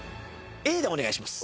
Ａでお願いします。